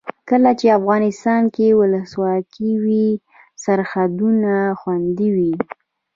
کله چې افغانستان کې ولسواکي وي سرحدونه خوندي وي.